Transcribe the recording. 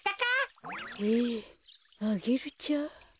えアゲルちゃん？